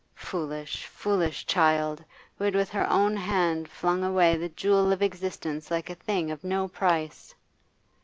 Foolish, foolish child, who with her own hand had flung away the jewel of existence like a thing of no price!